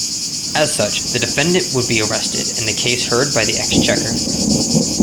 As such, the defendant would be arrested, and the case heard by the Exchequer.